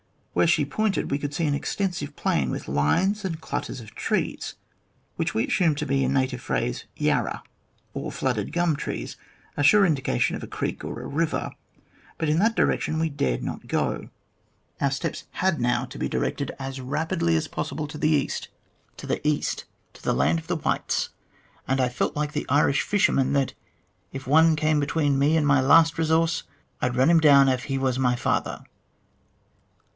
Where she pointed we could see an extensive plain with lines and clusters of trees, which we assumed to be in native phrase " yarra," or flooded gum trees, a sure indication of a creek or a river, but in that direction we dared not go. Our steps had now to be directed as rapidly 90 THE GLADSTONE COLONY as possible to the east, to the east, to the land of the whites, and I felt like the Irish fisherman that 'if any one came between me and my last resource, I'd run him down av he was my father.'